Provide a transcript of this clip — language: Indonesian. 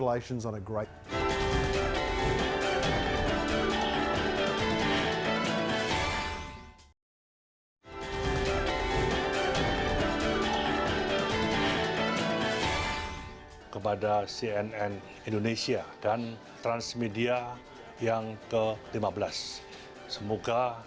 jadi apabila anda pertama